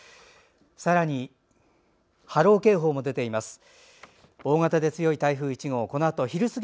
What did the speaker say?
さらに波浪警報も出ています。